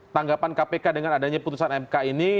tanggapan kpk dengan adanya putusan mk ini